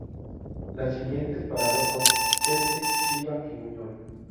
Las siguientes paradas son Cheste, Chiva y Buñol.